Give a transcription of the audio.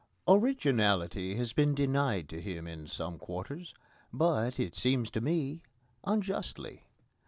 Originality has been denied to him in some quarters, but, it seems to me, unjustly.